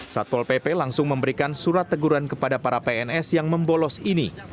satpol pp langsung memberikan surat teguran kepada para pns yang membolos ini